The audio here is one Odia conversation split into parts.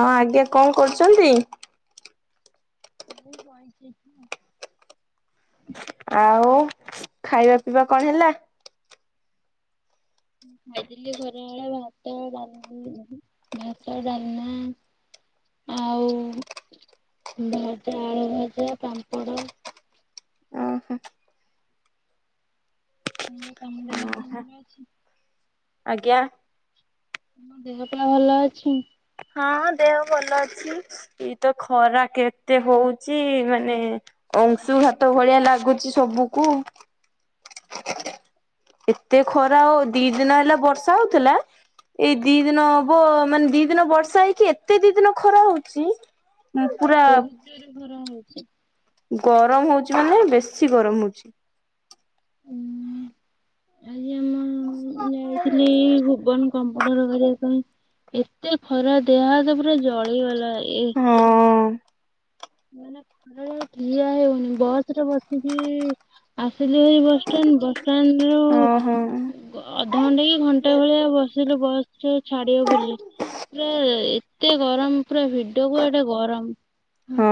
ହଁ ଆଜ୍ଞା କଁ କରୁଛନ୍ତି? ଏଇ ବଇଚି। ଆଉ ଖାଇବା ପିଇବା କଣ ହେଲା? ଖାଇଥିଲି ଖରାବେଳେ ଭାତ ଡାଲି ଭାତ ଡାଲମା ଆଉ ଭଜା, ଆଳୁ ଭଜା, ପାମ୍ପଡ। ଓହୋ। ଆଉ ତମ ଦେହ ପା ଭଲ ଅଛି? ଆଜ୍ଞା। ତମ ଦେହ ପା ଭଲ ଅଛି? ହଁ ଦେହ ଭଲ ଅଛି। ଇ ତ ଖରା କେତେ ହଉଚି ମାନେ ଅଂଶୁଘାତ ଭଳିଆ ଲାଗୁଚି ସବୁକୁ ଏତେ ଖରା ଆଉ ଦି ଦିନ ହେଲା ବର୍ଷା ହଉଥିଲା। ଏଇ ଦି ଦିନ ହବ ମାନେ ଦି ଦିନ ବର୍ଷା ହେଇକି ଏତେ ଦି ଦିନ ଖରା ହଉଚି। ଏ ବହୁତ ଜୋର ରେ ଖରା ହଉଚି। ଗରମ ହଉଚି ମାନେ ବେଶୀ ଗରମ ହଉଚି। ଉଁ ଆଜି ଆମ ଯାଇଥିଲି ଭୁବନ କମ୍ପୁଟର କରିବା ପାଇଁ ଏତେ ଖରା ଦେହ ହାତ ପୁରା ଜଳିଗଲା ଏ ହଁ। ମାନେ ଖରାରେ ଆଉ ଠିଆ ହେଇ ହଉନି ବସରେ ବସିକି ଆସିଲି ଭାରି ବସଷ୍ଟାଣ୍ଡ ବସଷ୍ଟାଣ୍ଡ ଓହୋ ରୁ ଅଧଘଣ୍ଟା କି ଘଣ୍ଟା ଭଳିଆ ବସ୍ ବସିଲୁ ବସ ଟେ ଛାଡିବ ବୋଲି ପୁରା ଏତେ ଗରମ ପୁରା ଭିଡକୁ ଆଡେ ଗରମ ହୁଁ। ହଁ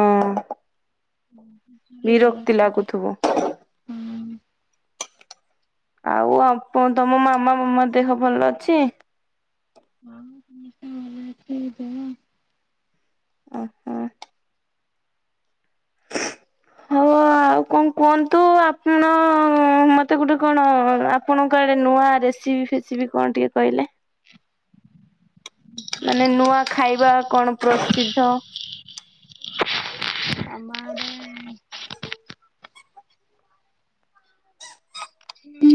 ବିରକ୍ତି ଲାଗୁଥିବ। ହୁଁ। ଆଉ ଆପ ତମ ମାମା ମାମା ଦେହ ଭଲ ଅଛି? ହଁ ସମସ୍ତଙ୍କ ଭଲ ଅଛି ଦେହ। ଓହୋ ହଉ ହ ଆଉ କଣ କୁହନ୍ତୁ ଆପଣ ମୋତେ ଗୋଟେ କଣ ଆପଣଙ୍କ ଆଡ଼େ ନୂଆ ରେସିପି ଫେ ସିପି କଣ ଟିକେ କହିଲେ? ମାନେ ନୂଆ ଖାଇବା କଣ ପ୍ରସିଦ୍ଧ? ଆମ ଆଡେ ଆମ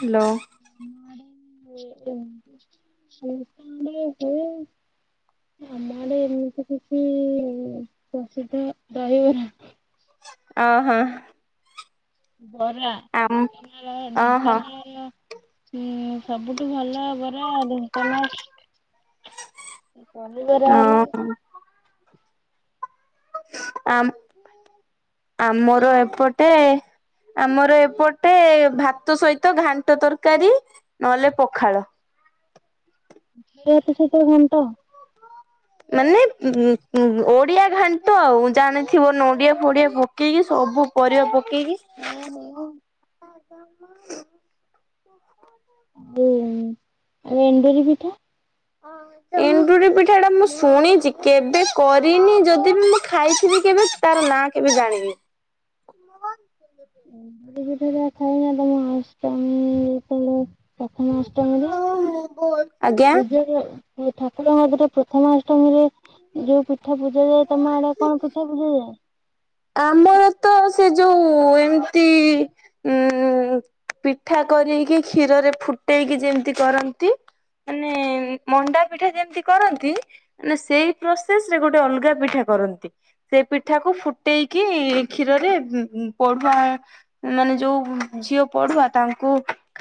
ହାଲୋ ଆମ ଆଡ଼େ [inaudible] ହୁଏ। ଆମ ଆଡ଼େ ଏମିତି କିଛି ପ୍ରସିଦ୍ଧ ଦହିବରା। ଓହୋ। ବରା ଆମ ଢେଙ୍କାନାଳ ଓହୋ ଢେଙ୍କାନାଳର ହୁଁ ସବୁଠୁ ଭଲ ବରା ଢେଙ୍କାନାଳ ପନିବରା ହେଲା ଓହୋ ଆମ୍ ଆମର ଏପଟେ ଆମର ଏପଟେ ଭାତ ସହିତ ଘାଣ୍ଟ ତରକାରୀ ନହେଲେ ପଖାଳ। ଏ ଏତେ ସକାଳୁ ଘାଣ୍ଟ। ମାନେ ଉଁ ଓଡିଆ ଘାଣ୍ଟ ଆଉ ଜାଣିଥିବ ନଡିଆ ଫଡିଆ ପ ପକେଇକି ସବୁ ପରିବା ପକେଇକି। ଓହୋ [unintelligible] ଆଉ ଏଣ୍ଡୁରି ପିଠା? [unintelligible] କ ନେଣ୍ଡୁରି। ପିଠା ପିଠାଟା ମୁଁ ଶୁଣିଛି କେବେ କରିନି ଯଦି ବି ମୁଁ ଖାଇଥିଲି କେବେ। ତାର ନାଁ କେବେ ଜାଣିବି। [unintelligible] ପ୍ରଥମା ଅଷ୍ଟମୀରେ ଆଜ୍ଞା। ପୂଜା କର ଠାକୁରହିଁ ଫଏମଏମ୍ଏମ୍ ପ୍ରଥମା ଅଷ୍ଟମୀରେ ଯୋଉ ପିଠା ପୂଜା ଯାଏ ତମ ଆଡ କଣ ପିଠା ପୂଜା ଯାଏ। ଆମର ତ ସେ ଯୋଉ ଏମତି ଉ ପିଠା କରକି କ୍ଷୀରରେ ଫୁଟେଇକି କରିକି ବୁଯେମିତି କରନ୍ତି। ମାନେ ମଣ୍ଡା ପିଠା ଯେମତି କରନ୍ତି ମାନେ ସେଇ ପ୍ରୋସେସ ରେ ଗୋଟେ ଗୋଟେ ଅଲଗା ପିଠା କରନ୍ତି। ସେ ପିଠାକୁ ଫୁଟେଇକି କ୍ଷୀରରେ ପଢୁଆ ମାନେ ଯୋଉ ଝିଅ ପଢୁଆ ତାଙ୍କୁ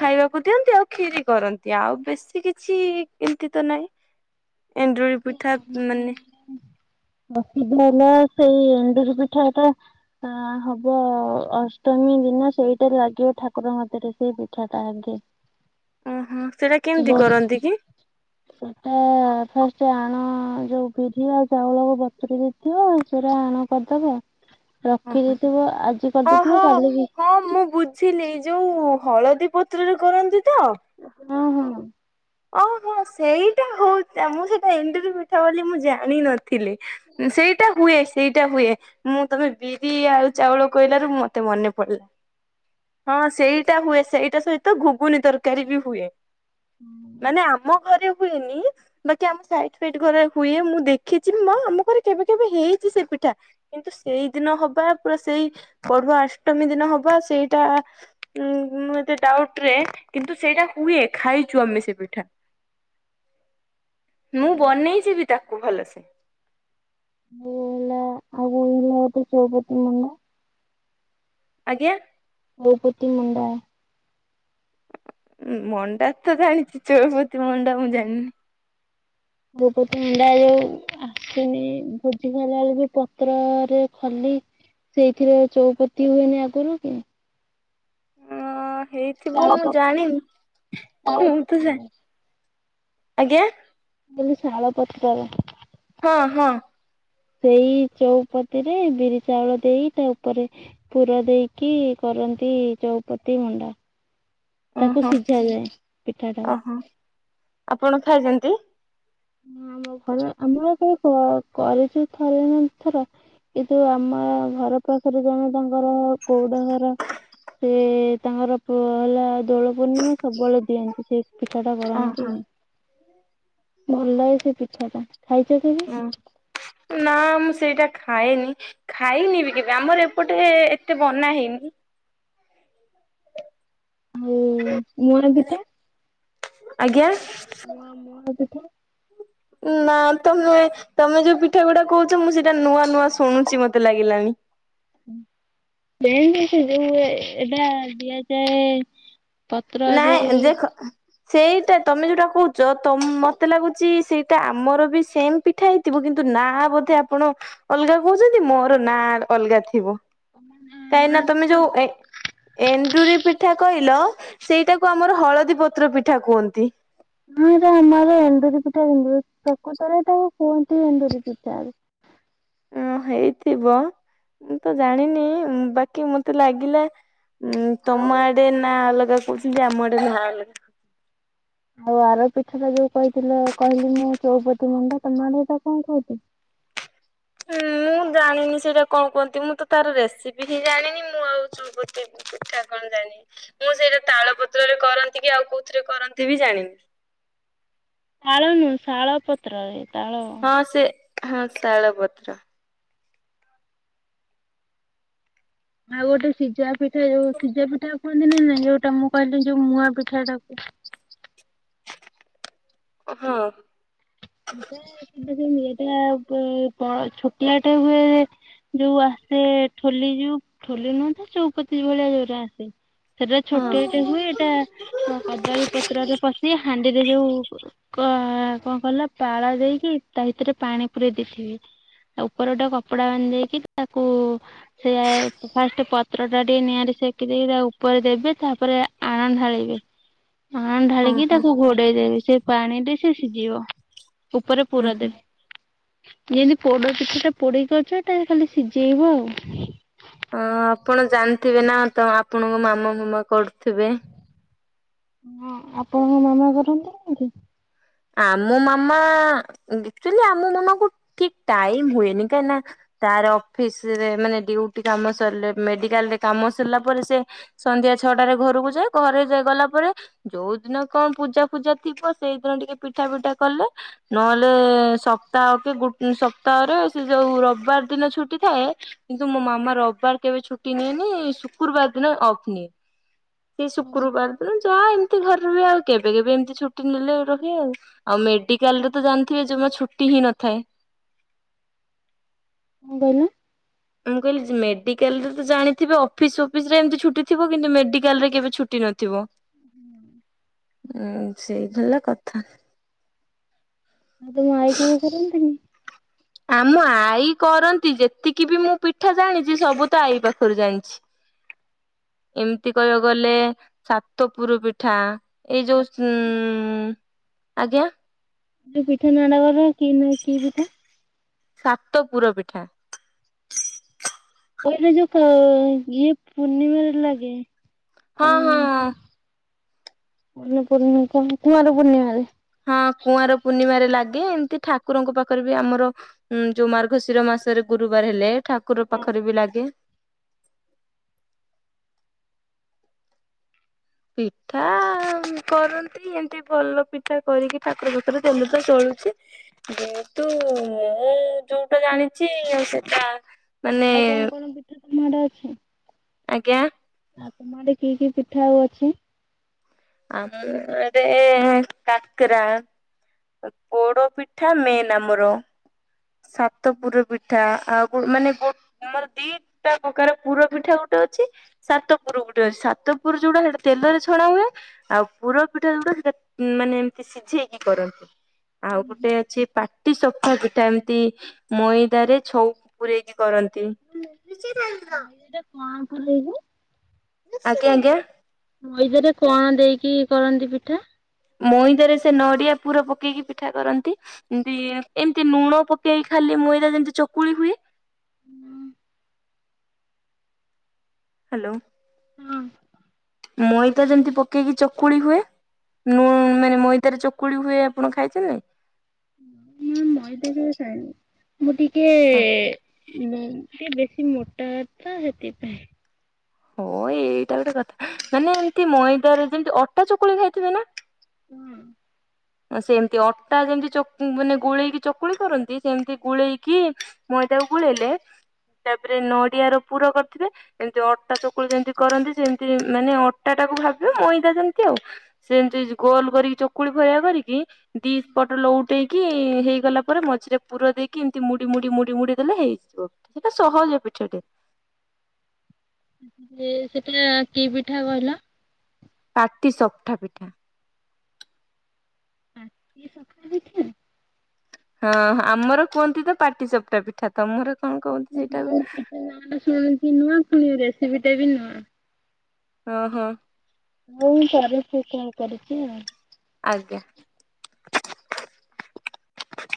ଖାଇବାକୁ ଦିଅନ୍ତି ଆଉ କ୍ଷିରି କରନ୍ତି ଆଉ ବେଶୀ କିଛି ଏମିତି ତ ନାହିଁ। ଏଣ୍ଡୁରି ପିଠା ମାନେ [inaudible] ଅସିୁଧ ହେଲା ସେଇ ଏଣ୍ଡୁରି ପିଠା ଟା ଆ ହବ ଅଷ୍ଟମୀ ଦିନ ସେଇଟା ଲାଗିବ ଠାକୁର ମତରେ ସେଇ ପିଠାଟା ଆଗେ। [inaudible] ଓହୋ ସେଇଟା କେମିତି କରନ୍ତି କି? ହୁଁ। ଫ ସେ ଆଣ ଯୋଉ ବିରି ଆଉ ଚାଉଳକୁ ବତୁୁର ଦେଇଥିବ ସେଟା ଆଣ କରିଦବ। ଓହୋ ରଖିଦେଇଥିବ ଆଜି କରିଦେଇଥିବ ଓହୋ କାଲିକି ହଁ ମୁଁ ବୁଝିଲି ଯୋଉ ହଳଦୀ ପତ୍ରରେ କରନ୍ତି ତ? ହଁ, ହଁ। ଓହୋ ସେଇଟା ହଉଛି ମୁଁ ସେଇଟା ଏଣ୍ଡୁରୀ ମିଠା ବୋଲି ମୁଁ ଜାଣିନଥିଲି। ଥିଲେ ସେଇଟା ହୁଏ। ସେଇଟା ହୁଏ ମୁଁ ତମେ ବିରି ଆଉ ଚାଉଳ କହିଲାରୁ ମତେ ମନେ ପଡିଲା। ହଁ ସେଇଟା ହୁଏ ସେଇଟା ସହିତ ଘୁଗୁନି ତରକାରୀ ବି ହୁଏ। [inaudible] ମାନେ ଆମ ଘରେ ହୁଏନି। ବାକି ଆମ ସାଇଟ ଫାଇଟ ଘରେ ହୁଏ ମୁଁ ଦେଖିଛି ମା ଆମ ଘରେ କେବେ କେବେ ହେଇଛି ସେ ପିଠା। କିନ୍ତୁ ସେଇ ଦିନ ହବା ପୁରା ସେଇ ପରୁଆ ଅଷ୍ଟମୀ ଦିନ ହବା ସେଇଟା। ଉଁ ଏତେ ଡାଉଟ ରେ କିନ୍ତୁ ସେଇଟା ହୁଏ ଖାଇଛୁ ଆମେ। ପଠା ମୁଁ ବନେଇ ଯିବି ତାକୁ ଭଲସେ। ମୁଁ ହେଲା ଅଗୁରୁ ଯୋଉ ଚୌଡ କିଲୋ ନୁହେଁ [unintelligible] ଆଜ୍ଞା। ବହୁପତି ମୁଣ୍ଡା ମଣ୍ଡା ତ ଜାଣିଛି ଚୌପତି ମଣ୍ଡା ମୁଁ ଜାଣିନି। ଭୋପତ ମୁଣ୍ଡା ଯୋଉ ଆସୁନି ଭୋଜି ଖଲା ବେଳେ ବି ପତ୍ରରେ ଖାଲି। ସେଇଥିରେ ଚଉପତି ହୁଏନି ଆଗରୁ କି? ହଁ, ହେଇଥିବ ମୁଁ ଜାଣିନି ମୁଁ ତ। ଆଜ୍ଞା। ହେଲେ ଶାଳ ପତ୍ରର ହଁ, ହଁ। ସେଇ ଚଉପତି ରେ ବିରି ଚାଉଳ ଦେଇ ତା ଉପରେ ପୁର ଦେଇକି କରନ୍ତି ଚୌପତି ମଣ୍ଡା। ତାକୁ ଓହୋ ସିଝାଯାଏ ପିଠା ଟାକୁ। ଓହୋ ଆପଣ ଖାଇଛନ୍ତି। ହ ଆମ ଘରେ ଆମ କ କରିଚୁ ଥରେ ନା ଦି ଥର କିନ୍ତୁ ଆମ ଘର ପାଖରେ ଜଣେ ତାଙ୍କର କଉଡ ଘର ସେ ତାଙ୍କର ହେଲା ଦୋଳ ପୂର୍ଣ୍ଣିମା ସବୁବେଳେ ଦିଅନ୍ତି ସେ ପିଠା ଟା କରନ୍ତି। ଓହୋ ଭଲ ଲାଗେ ସେ ପିଠାଟା ଖାଇଛ କେ ହୁଁ। ନା ମୁଁ ସେଇଟା ଖାଏନି। ଖାଇନି ବି କେବେ ଆମର ଏପଟେ ଏତେ ବନା ହେଇନି। ହୁଁ ମୁଆଁ ପିଠା ଆଜ୍ଞା। ମୁଆଁ ମୁଆଁ ପିଠା ନା ତମେ ତମେ ଯୋଉ ପିଠାଗୁଡା କହୁଛ ମୁଁ ସେଇଟା ନୂଆ ନୂଆ ଶୁଣୁଛି ମତେ ଲାଗିଲାଣି। ବେଣ୍ଡ [unintelligible] ଯଉ ଏବେ ଦିଆ ଯାଏ ନାଇଁ ଦେଖ ସେଇଟା ତମେ ଯୋଉଟା କହୁଛ ତମ୍ ମତେ ଲାଗୁଛି ସେଇଟା ଆମର ବି ସେମ୍ ପିଠା ହେଇଥିବ କିନ୍ତୁ ନା ବୋଧେ ଆପଣ ଅଲଗା କହୁଛନ୍ତି ମୋର ନା ଅଲଗା ଥିବ। ହ କାଇଁନା ତମେ ଯୋଉ ଏ ଏଣ୍ଡୁରି ପିଠା କହିଲ ସେଇଟାକୁ ଆମର ହଳଦୀ ପତ୍ର ପିଠା କୁହନ୍ତି। ନା ତ ଆମର ଏଣ୍ଡୁରି ପିଠା ହୁ ପ୍ରକୃତରେ ତାକୁ କୁହନ୍ତି ଏଣ୍ଡୁରି ପିଠାଲି। ହଁ ହେଇଥିବ ମୁଁ ତ ଜାଣିନି ବାକି ମତେ ଲାଗିଲା ଉଁ ତମ ଆଡେ ନା ଅଲଗା କହୁଛନ୍ତି ଆମ ଆଡେ ନାଁ ଅଲଗା। ଆଉ ଆର ପିଠଟା ଯୋଉ କହିଥିଲ କହିଲି ମୁଁ ଚଉପତି ମୁଣ୍ଡା ତମ ଆଡେ ତ କଣ କହୁଛି? ମୁଁ ଜାଣିନି ସେଇଟା କଣ କୁହନ୍ତି ମୁଁ ତାର ରେସିପି ହିଁ ଜାଣିନି ମୁଁ ଆଉ ସୁ ବତେଇବି ପିଠା କଣ ଜାଣି ମୁଁ ସେଇଟା ତାଳ ପତ୍ରରେ କରନ୍ତି କି ଆଉ କୋଉଥିରେ କରନ୍ତି ବି ଜାଣିନି। ତାଳ ନୁହଁ ଶାଳ ପତ୍ରରେ। ତାଳ ହଁ ସେ ହଁ ଶଳ ପତ୍ର। ଆଉ ଗୋଟେ ସିଝା ପିଠା ଯୋଉ ସିଝା ପିଠା କୁହନ୍ତି ନା ନା ଯୋଉଟା ମୁଁ କହିଲି ଯୋଉ ମୁୂଆ ପିଠାଟାକୁ। ହଁ। ଏଟା ଉଁ ବ ଛୋଟିଆଟେ ହୁଏ। ଯୋଉ ଆସେ ଠୋଲି ଯଉ ଠୋଲି ନୁହତ ଚଉପତି ଭଳିଆ ଜୋରା ଆସେ। ସେଟା ହଁ। ଛୋଟିଆଟେ ହୁଏ ଏଇଟା କଦଳୀ ପତ୍ରରେ ପଶି ହାଣ୍ଡିରେ ଯୋଉ କ କଣ କଲ ପାଳ ଦେଇକି ତା ଭିତରେ ପାଣି ପୁରେଇ ଦେଇଥିବେ। ତା ଉପର ଗୋଟେ କପଡା ବାନ୍ଧେଇକି ତାକୁ ସେଆ ଫାଷ୍ଟ ପତ୍ର ଟା ଟିକେ ନିଆଁ ସେକି ଦେଇକି ତା ଉପରେ ଦେବେ ତାପରେ ଆଣ ଢାଳିବେ। ଆଣ ଢାଳିକି ଓହୋ। ତାକୁ ଘୋଡେଇ ଦେବି ସେ ପାଣିରେ ସେ ସିଝିବ। ଉପରେ ପୁର ଓହୋ। ଦେବି। ଜୀନ୍ତି ପୋଡ କିଛିଟା ପୋଡେଇକି ଅଛ ଖାଲି ସିଝେଇବ ଆଉ। ହଁ ଆପଣ ଜାଣିଥିବେ ନା ତ ଆପଣଙ୍କ ମାମା ଫାମା କରୁଥିବେ। ହଁ ଆପଣଙ୍କ ମାମା କରନ୍ତି ନି କି? ଆମ ମାମା ଆଚୁଆଲି ଆମ ମାମା କୁ ଠିକ ଟାଇମ ହୁଏନି କାଇଁକି ନା ତାର ଅଫିସ୍‌ରେ ମାନେ ଡିଉଟି କାମ ସର୍‌ଲେ ମେଡିକାଲ୍‌ରେ କାମ ସର୍‌ଲା ପରେ ସେ ସନ୍ଧ୍ୟା ଛଟାରେ ଘରଗୁ ଯାଏ ଘରେ ଯ ଗଲା ପରେ ଯୋଉ ଦିନ କଣ ପୂଜା ଫୂଜା ଥିବ ସେଇଦିନ ଟିକେ ପିଠା ପିଟା କଲେ ନହେଲେ ସପ୍ତାହକେ ଗୁ ସପ୍ତାହରେ ସେ ଯୋଉ ରବ୍‌ବାର୍ ଦିନ ଛୁଟି ଥାଏ କିନ୍ତୁ ମୋ ମାଁମା ରବ୍‌ବାର୍ କେବେ ଛୁଟି ନିଏନି ଶୁକ୍ରୁବାର୍ ଦିନ ଅଫ୍ ନିଏ ସେଇ ଶୁକ୍ରୁବାର୍ ଦିନ ଯାଆ ଏମ୍‌ତି ଘରେ ରୁହେ ଆଉ କେବେ କେବେ ଏମ୍‌ତି ଛୁଟି ନେଲେ ରୋହେ ଆଉ ଆଉ ମେଡିକାଲ୍‌ରେ ତ ଜାନ୍‌ଥିବେ ଯମା ଛୁଟି ହିଁ ନ ଥାଏ କଣ୍ ଗଇଲ ମୁଁ କଇଲିଜ୍ ମେଡିକାଲ୍‌ରେ ତ ଜାଣିଥିବେ ଅଫିସ୍‌ ଅପିସ୍‌ରେ ଏମ୍‌ତି ଛୁଟି ଥିବ କିନ୍ତୁ ମେଡିକାଲ୍‌ରେ କେବେ ଛୁଟି ନଥିବ ହୁଁ ହୁଁ ସେଇ ଧିଲା କଥା ମୁଁ ତମ ଆଇ କେବେ କରନ୍ତିିନି ଆମ ଆଈ କରନ୍ତି ଯେତିକି ବି ମୁଁ ପିଠା ଜାଣିଜିି ସବୁ ତ ଆଈ ପାଖୁରୁ ଜାଣିଚ୍ [inaudible] ଏମ୍‌ତି କଇବାକୁ ଗଲେ ସାତପୁରୁ ପିଠାଁ ଏଇ ଯୋଉ ସୁଁ ଆଜ୍ଞା ସେଇ ପିଠା ନା ଟା କହିଲଣି କି ନାଁ କି ପିଠା ସାତପୁର ପିଠା ପଇଲେ ଯୋଉ କ ଇଏ ପୂନିମାରେ ଲାଗେ କଣ? ହଁହଁ ଅନୁ ପୂର୍ଣ୍ଣିମା ତ କୁଆଁର ପୂର୍ଣିମାରେ ହଁ କୁଆଁର ପୂର୍ଣ୍ଣିମାରେ ଲାଗେ ଏମ୍‌ତି ଠାକୁରଙ୍କୁ ପାଖରେ ବି ଆମର ଉଁ ଯଉ ମାର୍ଘଶିର ମାସରେ ଗୁରୁବାରେ ହେଲେ ଠାକୁର ପାଖରେ ବି ଲାଗେ ପିଠାମ୍‌ କରନ୍ତି ଏମ୍‌ତି ଭଲ ପିଠା କରିକି ଠାକୁର ବିତୁରୁ ଦେଲି ତ ତୋଳୁଚି ଯେହେତୁ ମୁଁ ଯୋଉଟା ଜାଣିଚି ସେଟା ମାନେ ଆଉ କଣ କଣ ପିଠା ତମ ଆଡେ ଅଛିଁ ଆଜ୍ଞା ଆ ତୁମ ଆଡେ କି କି ପିଠା ଆଉ ଅଛି ଆମ ଆଡେଁ କାକ୍ରା ପୋଡ ପିଠା ମେନ୍ ଆମର ସାତପୁରୁ ପିଠା ଆଉ ବୁଡ୍ ମାନେ ବୋ ଆମର ଦିଟା ପକାର ପୁର ପିଠା ଗୋଟେ ଅଛି ସାତପୁରୁ ଗୋଟେ ଅସି ସାତପୁରୁ ଯୋଉଡା ହେଇଡା ତେଲରେ ଛଣା ହୁଏ ଆଉ ପୁର ପିଠା ଯୋଉଟା ସେଟା ମାନେ ଏମ୍‌ତି ସିଝେଇକି କରନ୍ତି ଆଉ ଗୁଟେ ଅଛି ପାଟି ସଫା ପିଟା ଏମ୍‌ତି ମୋଇଁଦାରେ ଛଉଁ ପୂରେଇକି କରନ୍ତି ନଇ ରେଡ୍ କଣ ପୁଲେଇବୁ ଆଜ୍ଞା ଆଜ୍ଞା ମଇଦାରେ କଣ ଦେଇକି କରନ୍ତି ପିଠା ମୋଇଁଦାରେ ସେ ନଡିଆପୁର ପକେଇଗି ପିଠା କରନ୍ତି ଇନ୍ଦିଏ ଏମ୍‌ତି ନୁଣ ପକେଇଗ୍ ଖାଲି ମଇଦା ଯେମ୍‌ତି ଚକୁଳି ହୁଏ ହାଲୋ ଅଁ ପାପା ମଇଦା ଯେମ୍‌ତିି ପକେଇଗି ଚକୁଳି ହୁଏ ନୁଁ ହଁ ମାନେ ମଇଦାରେ ଚ କୁଡ଼ି ହୁଏ ଆପଣ ଖାଇଥିବେ ନା ମୁଁ ମଇଦା କେବେ କାଏନି ମୁଁ ଟିକେ ମୁଁ ସିଏ ବେଶୀ ମୋଟା ତ ସେଥିପାଇଁ। ହଁ ଏଇଟା ଗୋଟେ କଥା ମାନେ ଏମିତି ମଇଦା ରେ ଯେମିତି ଅଟା ଚକୁଳି ଖାଇଥିବେ ନା? [inaudible] ତ ସେମିତି ଅଟା ଯେମିତି ଚକୁଟି ହୁଏନି ଗୋଳେଇକି ଚକୁଳି କରନ୍ତି ସେମିତି ଗୋଳେଇକି ମଇଦାକୁ ଗୋଳେଇଲେ ତାପରେ ନଡିଆ ର ପୁର କରିଥିବେ ଏମିତି ଅଟା ଚକୁଳ ଯେମିତି କରନ୍ତି ସେମତି ମାନେ ଅଟା ଟାକୁ ଭାବିବ ମଇଦା ଯେମିତି ଆଉ ସେମିତି ଗୋଲ କରିକି ଚକୁଳି ଭଲିଆ କରିକି ଦି ପଟ ଲଉଟେଇକି କି ହେଇଗଲା ପରେ ମଝିରେ ପୁର ଦେଇକି ଏମିତି ମୁଡି ମୁଡି ମୁଡି ମୁଡି ଦେଲେ ହେଇଯିବ। ସେଇଟା ସହଜ ପିଠ ଟେ। ସେଟା କି ପିଠା କହିଲ? ପାଟି ସଟା ପିଠା। [unintelligible] ହଁ ଆମର କୁହନ୍ତି ତ ପାଟି ଚୋପଟା ପିଠା। ତମର? କଣ କୁହନ୍ତି ସେଇଟାକୁ ନୂଆ ସେ ରେସିପିଟା ବି ନୂଆ। ହଁ ହଁ। ମୁଁ କରି ସେ କଣ କରିଛି ଆଉ। ଆଜ୍ଞା।